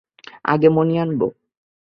আগে মণি আনব।